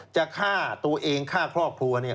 จะฆ่าตัวเองฆ่าครอบครัวเนี่ย